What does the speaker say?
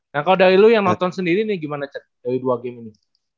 nah kalau dari lu yang nonton sendiri nih gimana chat dari dua game ini